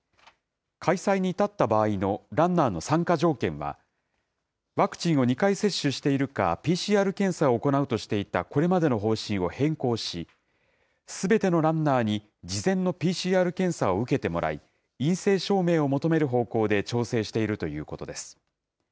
開催に至った場合のランナーの参加条件は、ワクチンを２回接種しているか、ＰＣＲ検査を行うとしていたこれまでの方針を変更し、すべてのランナーに事前のＰＣＲ検査を受けてもらい、陰性証明を求める方向で調整しているということです。